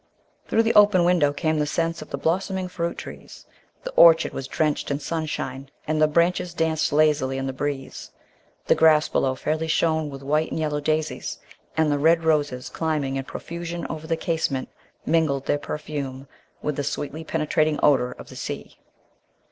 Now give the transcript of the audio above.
Through the open window came the scents of the blossoming fruit trees; the orchard was drenched in sunshine and the branches danced lazily in the breeze; the grass below fairly shone with white and yellow daisies, and the red roses climbing in profusion over the casement mingled their perfume with the sweetly penetrating odour of the sea.